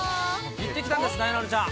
行ってきたんです、なえなのちゃん。